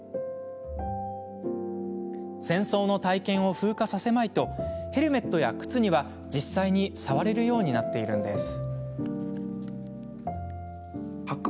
戦争の体験を風化させまいとヘルメットや靴には実際に触れるようになっているんです。